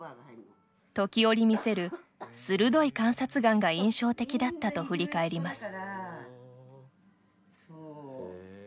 時折見せる鋭い観察眼が印象的だったと振り返ります。